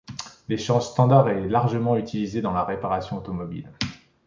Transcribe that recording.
L’échange standard est largement utilisé dans la réparation automobile.